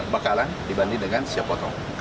bakalan dibanding dengan siap potong